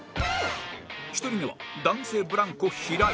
１人目は男性ブランコ平井